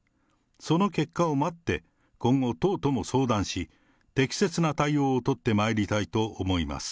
その結果を待って、今後、党とも相談し、適切な対応を取ってまいりたいと思います。